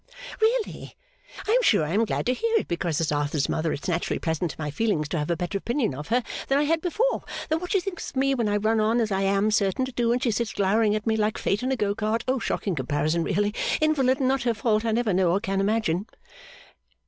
'Really? I am sure I am glad to hear it because as Arthur's mother it's naturally pleasant to my feelings to have a better opinion of her than I had before, though what she thinks of me when I run on as I am certain to do and she sits glowering at me like Fate in a go cart shocking comparison really invalid and not her fault I never know or can imagine.